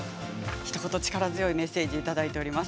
ひと言、力強いメッセージいただいています。